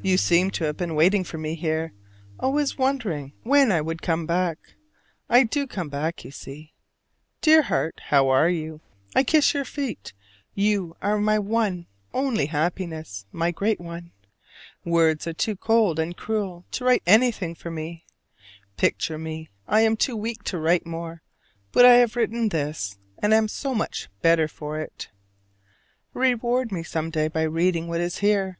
You seem to have been waiting for me here: always wondering when I would come back. I do come back, you see. Dear heart, how are you? I kiss your feet; you are my one only happiness, my great one. Words are too cold and cruel to write anything for me. Picture me: I am too weak to write more, but I have written this, and am so much better for it. Reward me some day by reading what is here.